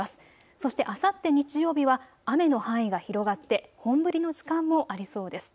そして、あさって日曜日は雨の範囲が広がって本降りの時間もありそうです。